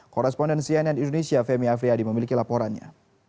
korrespondensi ann indonesia femi afriyadi memiliki laporannya